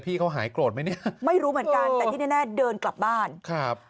พี่เขาหายโกรธไหมเนี่ยไม่รู้เหมือนกันแต่ที่แน่แน่เดินกลับบ้านครับ